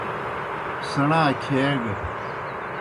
سیْݨا کھیگہ۔